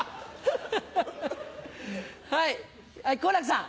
はい好楽さん。